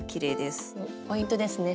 ポイントですね。